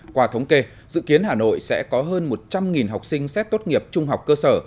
qua thống kê dự kiến hà nội sẽ có hơn một trăm linh học sinh xét tốt nghiệp trung học cơ sở